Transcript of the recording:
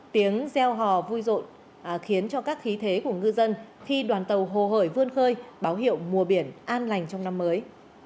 tiếng gieo hò vui rộn khiến cho các khí thế của ngư dân khi đoàn tàu hồ hởi vươn khơi báo hiệu mùa biển an lành trong năm mới